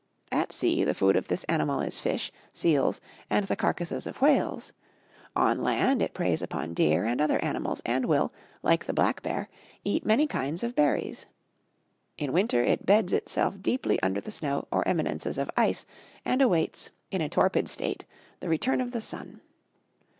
At sea, the food of this animal is fish, seals, and the carcases of whales; on land, it preys upon deer and other animals, and will, like the Black Bear, eat many kinds of berries. In winter, it beds itself deeply under the snow or eminences of ice, and awaits, in a torpid state, the return of the sun.